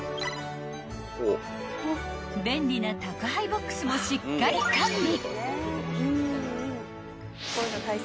［便利な宅配ボックスもしっかり完備］